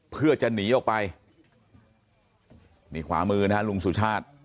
เพื่อจะหนีออกไปนี่ขวามือนะฮะลุงสุชาติ